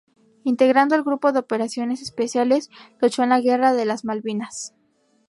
Integrando el Grupo de Operaciones Especiales luchó en la guerra de las Malvinas.